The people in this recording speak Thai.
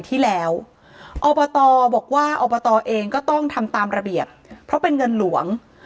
ที่แล้วอบตบอกว่าอบตเองก็ต้องทำตามระเบียบเพราะเป็นเงินหลวง